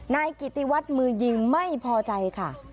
นายกิติวัฒน์มือยิงไม่พอใจค่ะ